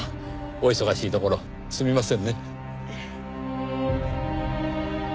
お忙しいところすみませんね。